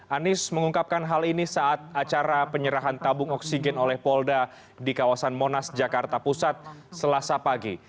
anies mengungkapkan hal ini saat acara penyerahan tabung oksigen oleh polda di kawasan monas jakarta pusat selasa pagi